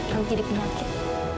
kamu jadi penyakit